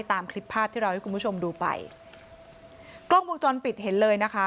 ตามคลิปภาพที่เราให้คุณผู้ชมดูไปกล้องวงจรปิดเห็นเลยนะคะ